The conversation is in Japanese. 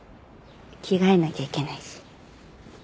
着替えなきゃいけないし。